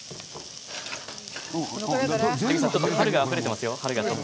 春があふれています。